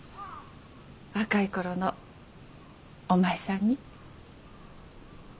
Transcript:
若い頃のお前さんに。